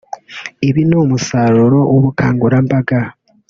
Ibi ni umusaruro w’ubukangurambaga